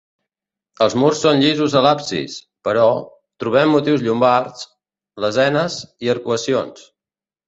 Els murs són llisos a l'absis, però, trobem motius llombards: lesenes i arcuacions.